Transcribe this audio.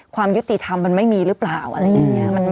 ความยุติธรรมมันไม่มีหรือเปล่าอะไรอย่างนี้